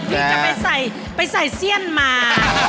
จะไปใส่เสี้ยนมา